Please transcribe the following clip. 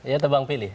ya tebang pilih